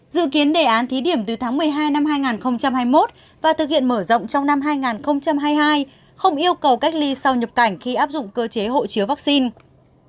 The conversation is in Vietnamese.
dự kiến đề án thí điểm từ tháng một mươi hai năm hai nghìn hai mươi một và thực hiện mở rộng trong năm hai nghìn hai mươi hai không yêu cầu cách ly sau nhập cảnh khi áp dụng cơ chế hộ chiếu vaccine